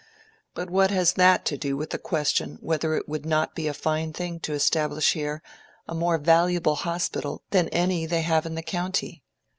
But what has that to do with the question whether it would not be a fine thing to establish here a more valuable hospital than any they have in the county?